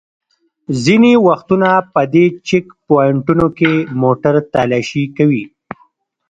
ځینې وختونه په دې چېک پواینټونو کې موټر تالاشي کوي.